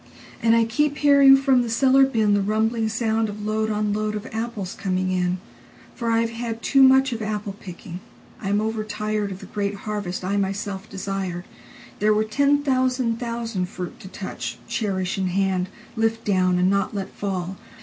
And I keep hearing from the cellar binThe rumbling soundOf load on load of apples coming in. For I have had too muchOf apple picking: I am overtiredOf the great harvest I myself desired. There were ten thousand thousand fruit to touch, Cherish in hand, lift down, and not let fall.